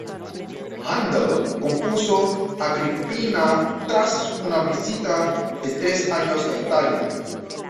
Händel compuso "Agripina" tras una visita de tres años a Italia.